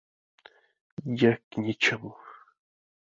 Je k ničemu.